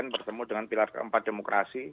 bertemu dengan pilar keempat demokrasi